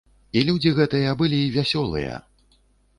І людзі гэтыя былі вясёлыя!